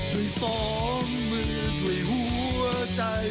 ด้วยสองมือด้วยหัวใจ